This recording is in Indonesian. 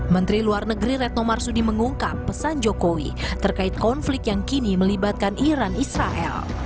menteri luar negeri retno marsudi mengungkap pesan jokowi terkait konflik yang kini melibatkan iran israel